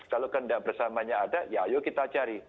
kalau kehendak bersamanya ada ya ayo kita cari